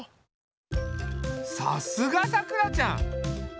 さすがさくらちゃん！